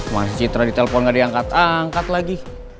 masih citra di telepon gak diangkat angkat lagi